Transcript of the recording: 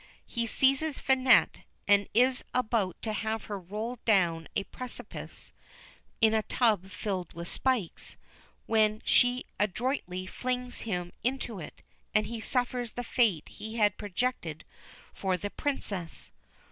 He seizes Finette, and is about to have her rolled down a precipice in a tub filled with spikes, when she adroitly flings him into it, and he suffers the fate he had projected for the Princess.